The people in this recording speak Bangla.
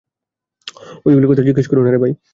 ঐগুলার কথা জিজ্ঞেস কইরো না।